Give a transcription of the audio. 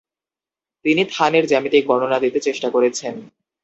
তিনি থানের জ্যামিতিক বর্ণনা দিতে চেষ্টা করেছেন।